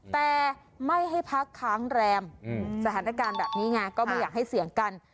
แต่ไม่ให้พักค้างแรมสถานการณ์แบบนี้ไงก็ไม่อยากให้เสี่ยงกัน